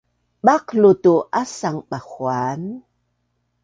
baqlu tu asang Bahuan